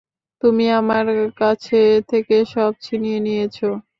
তুমি আমার কাছ থেকে সব ছিনিয়ে নিয়েছ।